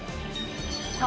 さあ